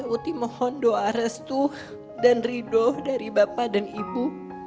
uti mohon doa restu dan ridho dari bapak dan ibu